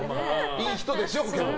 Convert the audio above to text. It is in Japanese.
いい人でしょうけど。